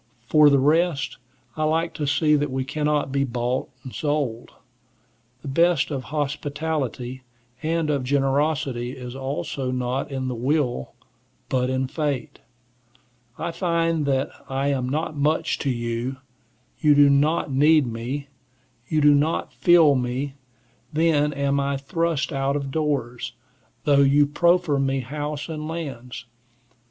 For the rest, I like to see that we cannot be bought and sold. The best of hospitality and of generosity is also not in the will, but in fate. I find that I am not much to you; you do not need me; you do not feel me; then am I thrust out of doors, though you proffer me house and lands.